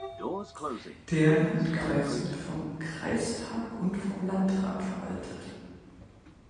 Der Landkreis wird vom Kreistag und vom Landrat verwaltet.